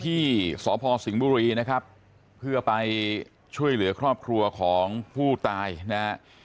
ที่สพสิงห์บุรีนะครับเพื่อไปช่วยเหลือครอบครัวของผู้ตายนะฮะ